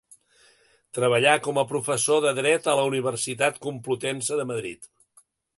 Treballà com a professor de dret a la Universitat Complutense de Madrid.